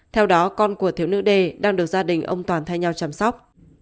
theo đó con của thiếu nữ d đang được gia đình ông toàn thay nhau chăm sóc